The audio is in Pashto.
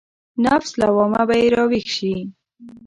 نفس لوامه به يې راويښ شي.